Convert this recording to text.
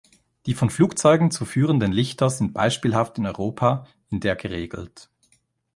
Die von Flugzeugen zu führenden Lichter sind beispielhaft in Europa in der geregelt.